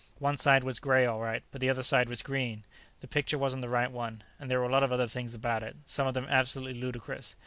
One side was gray, all right, but the other side was green. The picture wasn't the right one. And there were a lot of other things about it, some of them absolutely ludicrous.